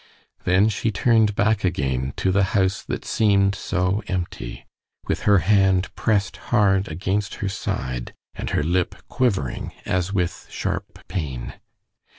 Then she turned back again to the house that seemed so empty, with her hand pressed hard against her side and her lip quivering as with sharp pain.